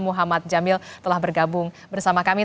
muhammad jamil telah bergabung bersama kami